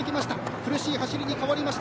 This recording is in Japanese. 苦しい走りに変わりました。